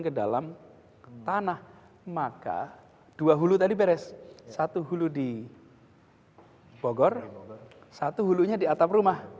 ke dalam tanah maka dua hulu tadi beres satu hulu di bogor satu hulunya di atap rumah